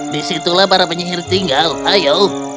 disitulah para penyihir tinggal ayo